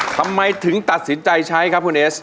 ทำไมถึงตัดสินใจใช้ครับคุณเอส